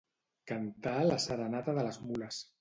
Cantar la serenata de les mules.